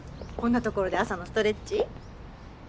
こんな所で朝のストレッチ？